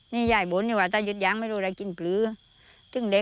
นี่ยายบ้วยนี่ว่าถ้ายุดยางไม่รู้ก็ได้กินเผือ